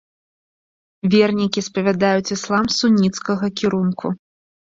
Вернікі спавядаюць іслам суніцкага кірунку.